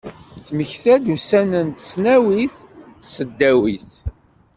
Temmekta-d ussan n tesnawit d tesdawit.